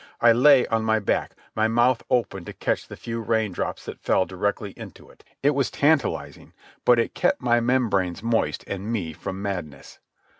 I lay on my back, my mouth open to catch the few rain drops that fell directly into it. It was tantalizing, but it kept my membranes moist and me from madness.